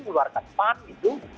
mengeluarkan pan itu